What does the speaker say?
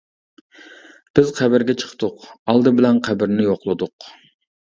بىز قەبرىگە چىقتۇق، ئالدى بىلەن قەبرىنى يوقلىدۇق.